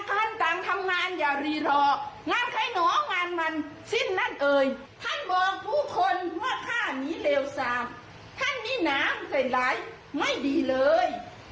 ท่านมีน้ำเสลหร่ายไม่ดีเลย